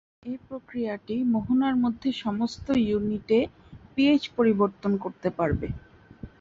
এ প্রক্রিয়াটি মোহনার মধ্যে সমস্ত ইউনিটে পিএইচ পরিবর্তন করতে পারবে।